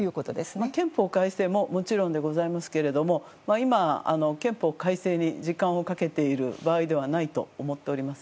憲法改正ももちろんでございますけれども今、憲法改正に時間をかけている場合ではないと思っております。